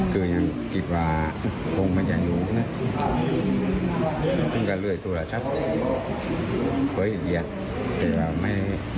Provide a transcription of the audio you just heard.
ตั้งแต่ว่าตั้งแต่ว่าลูกมันจะรับกันดี